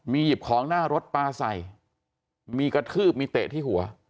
หยิบของหน้ารถปลาใส่มีกระทืบมีเตะที่หัว